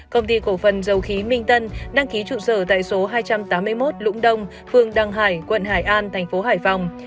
công ty cổ phần dầu khí minh tân đăng ký trụ sở tại số hai trăm tám mươi một lũng đông phường đăng hải quận hải an thành phố hải phòng